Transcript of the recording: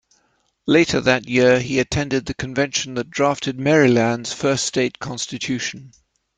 Later that year he attended the Convention that drafted Maryland’s first state constitution.